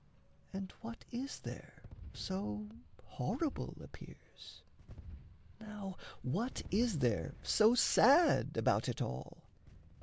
And what is there so horrible appears? Now what is there so sad about it all?